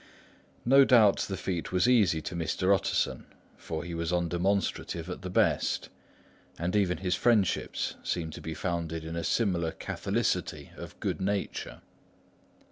No doubt the feat was easy to Mr. Utterson; for he was undemonstrative at the best, and even his friendship seemed to be founded in a similar catholicity of good nature.